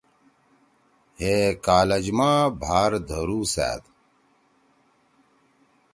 ہے کالج ما بھار دھرُوسأد